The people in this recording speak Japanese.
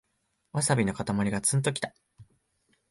ワサビのかたまりがツンときた